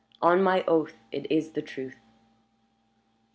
"On my oath, it is the truth."